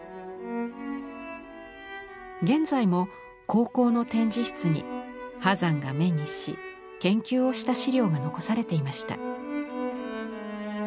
現在も高校の展示室に波山が目にし研究をした資料が残されていました。